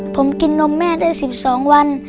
ผมกินนมแม่ได้๑๒วัน